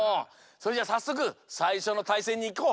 それじゃあさっそくさいしょのたいせんにいこう。